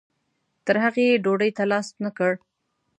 تر هغې یې ډوډۍ ته لاس نه کړ.